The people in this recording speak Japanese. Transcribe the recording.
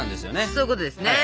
そういうことですね。